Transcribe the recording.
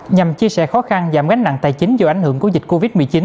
nhằm chia sẻ khó khăn giảm gánh nặng tài chính do ảnh hưởng của dịch covid một mươi chín